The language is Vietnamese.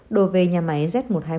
đồ về nhà máy z một trăm hai mươi một